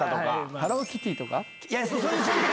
ハローキティとか。